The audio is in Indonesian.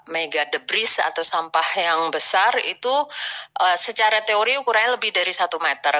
mega debris atau sampah yang besar itu secara teori ukurannya lebih dari satu meter